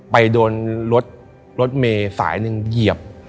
ไปโดนรถเมย์สายหนึ่งเหยียบ